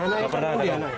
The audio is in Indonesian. anak itu pun ya